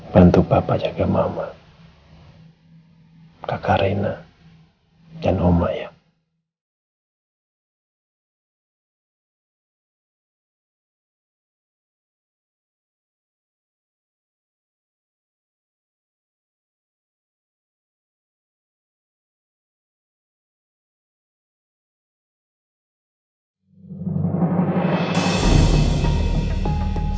bantu bapak jaga mama kakarena dan omayang